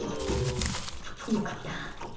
良かった。